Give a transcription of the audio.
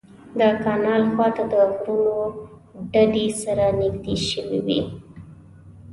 د کانال خوا ته د غرونو ډډې سره نږدې شوې وې.